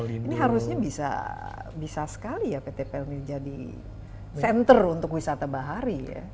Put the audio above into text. ini harusnya bisa sekali ya pt pelni jadi center untuk wisata bahari ya